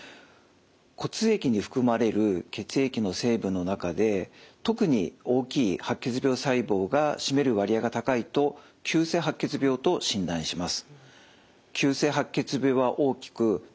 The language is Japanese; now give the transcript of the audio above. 骨液に含まれる血液の成分の中で特に大きい白血病細胞が占める割合が高いと急性白血病と診断します。